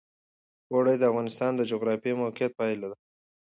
اوړي د افغانستان د جغرافیایي موقیعت پایله ده.